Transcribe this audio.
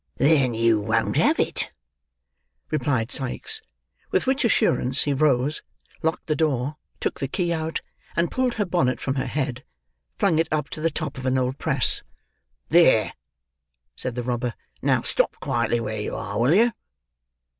"Then you won't have it," replied Sikes. With which assurance he rose, locked the door, took the key out, and pulling her bonnet from her head, flung it up to the top of an old press. "There," said the robber. "Now stop quietly where you are, will you?"